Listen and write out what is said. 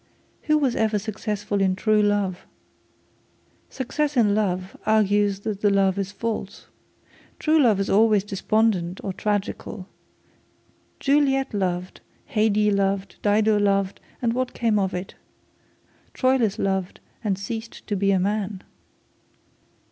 Who was ever successful in true love? Success in love argues that the love is false. True love is always despondent or tragical. Juliet loved. Haidee loved. Dido loved, and what came of it? Troilus loved and ceased to be a man.'